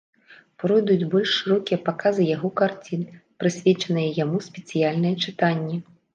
Пройдуць больш шырокія паказы яго карцін, прысвечаныя яму спецыяльныя чытанні.